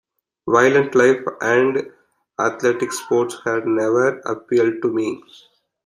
Violent life and athletic sports had never appealed to me.